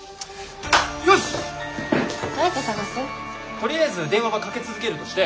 とりあえず電話はかけ続けるとして。